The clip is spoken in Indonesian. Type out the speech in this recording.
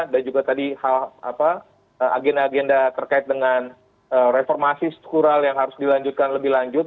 dan juga tadi agenda agenda terkait dengan reformasi skural yang harus dilanjutkan lebih lanjut